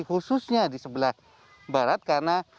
khususnya di sebelah barat karena